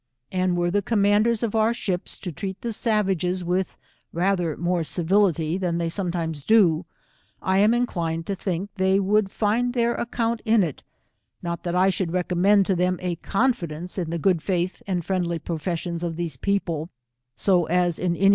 And v/ere the commanders of our ships to treat the savages with rather more civility than they sometimes do, I am inclined to think they would find their account in it ; not that I should recom inend to them a confidence in the good faith and friendly professions of these people, so as in any